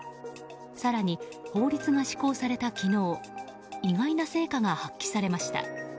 更に、法律が施行された昨日意外な成果が発揮されました。